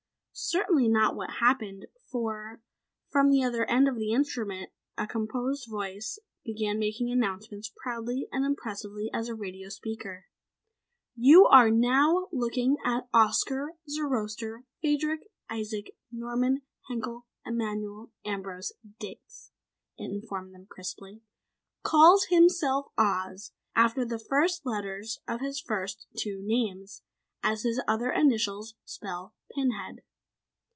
Certainly not what happened, for, from the other end of the instrument, a composed voice began making announcements proudly and impressively as a radio speaker. "You are now looking at Oscar Zoroaster Phadrig Isaac Norman Henkle Emmanuel Ambroise Diggs," it informed them crisply. "Calls himself Oz after the first letters of his first two names, as his other initials spell Pinhead.